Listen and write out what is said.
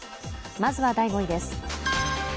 まずは第５位です。